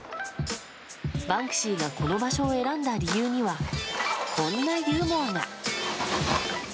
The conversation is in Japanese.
バンクシーがこの場所を選んだ理由には、こんなユーモアが。